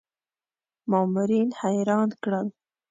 مامورین حیران کړل.